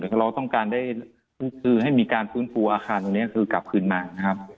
แต่เราต้องการได้คือให้มีการฟื้นฟูอาคารตรงนี้คือกลับคืนมานะครับ